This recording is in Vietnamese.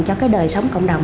cho cái đời sống cộng đồng